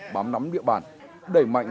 bám nắm địa bàn đẩy mạnh